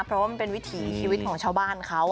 เพราะว่ามันเป็นวิถีชีวิตของชาวบ้านเขา